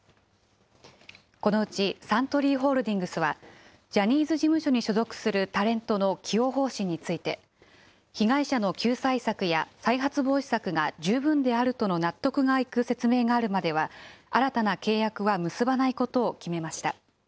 このうちサントリーホールディングスは、ジャニーズ事務所に所属するタレントの起用方針について、被害者の救済策や再発防止策が十分であるとの納得がいく説明があるまでは、新たな契約は結ばないことを決めました。